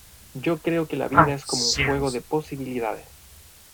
yo creo que la vida es como un juego de posibilidades.